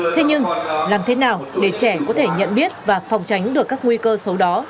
thế nhưng làm thế nào để trẻ có thể nhận biết và phòng tránh được các nguy cơ xấu đó